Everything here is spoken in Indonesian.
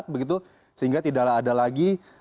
begitu sehingga tidak ada lagi